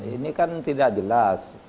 ini kan tidak jelas